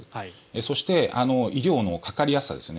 そして医療のかかりやすさですよね。